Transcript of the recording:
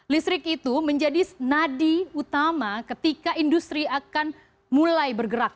listrik itu menjadi nadi utama ketika industri akan mulai bergerak